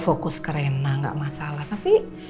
fokus ke rena nggak masalah tapi